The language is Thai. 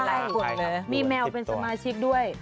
ใช่มีแมวเป็นสมาชิกด้วย